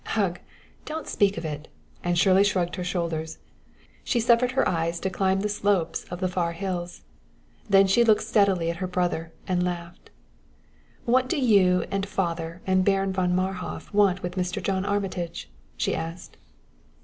"Ugh; don't speak of it!" and Shirley shrugged her shoulders. She suffered her eyes to climb the slopes of the far hills. Then she looked steadily at her brother and laughed. "What do you and father and Baron von Marhof want with Mr. John Armitage?" she asked.